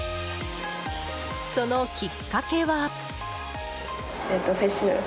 そのきっかけは。